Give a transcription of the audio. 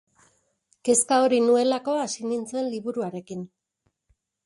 Kezka hori nuelako hasi nintzen liburuarekin.